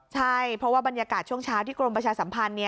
ใช่เพราะว่าบรรยากาศช่วงเช้าที่กรมประชาสัมพันธ์